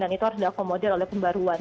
dan itu harus diakomodir oleh pembaruan